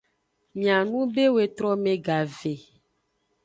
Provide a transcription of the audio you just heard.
Mianube wetrome gave.